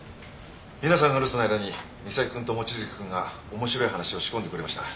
皆さんが留守の間に三崎君と望月君が面白い話を仕込んでくれました。